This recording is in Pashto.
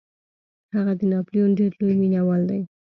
هغه د ناپلیون ډیر لوی مینوال دی.